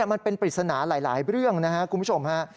มันเป็นปริศนาหลายเรื่องนะครับคุณผู้ชมฮะ